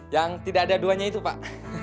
yang tidak ada duanya itu pak